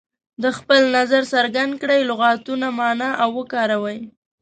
د خپل نظر څرګند کړئ لغتونه معنا او وکاروي.